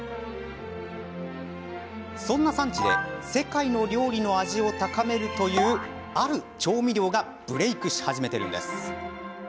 そんな産地で世界の料理の味を高めるというある調味料がブレークし始めているんです。